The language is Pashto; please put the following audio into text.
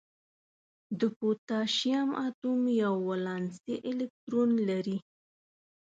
د پوتاشیم اتوم یو ولانسي الکترون لري.